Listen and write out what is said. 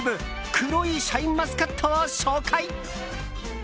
黒いシャインマスカットを紹介。